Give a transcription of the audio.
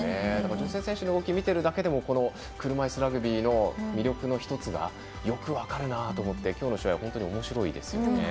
女性選手の動きを見ているだけでもこの車いすラグビーの魅力の１つがよく分かるなと思ってきょうの試合は本当におもしろいですね。